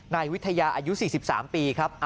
นายวิทยาอายุ๔๓ปีครับ